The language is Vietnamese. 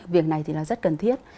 việc này thì là rất cần thiết